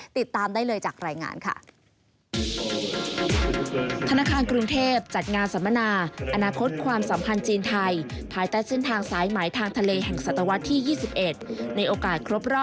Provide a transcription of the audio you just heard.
ติดตามได้เลยจากรายงานค่ะ